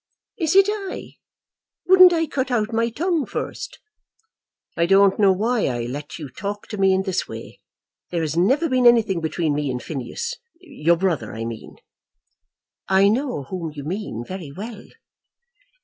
"Is it I? Wouldn't I cut out my tongue first?" "I don't know why I let you talk to me in this way. There has never been anything between me and Phineas, your brother I mean." "I know whom you mean very well."